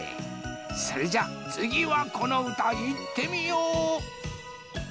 それじゃあつぎはこのうたいってみよう！